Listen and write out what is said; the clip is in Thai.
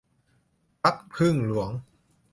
พรรคผึ้งหลวง